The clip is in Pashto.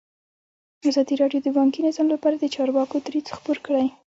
ازادي راډیو د بانکي نظام لپاره د چارواکو دریځ خپور کړی.